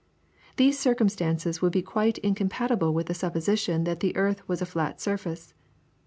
These circumstances would be quite incompatible with the supposition that the earth was a flat surface.